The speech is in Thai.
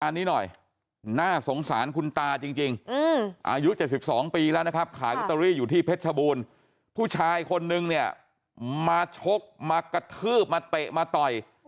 อันนี้หน่อยน่าสงสารคุณตาจริงอายุ๗๒ปีแล้วนะครับขายลอตเตอรี่อยู่ที่เพชรชบูรณ์ผู้ชายคนนึงเนี่ยมาชกมากระทืบมาเตะมาต่อย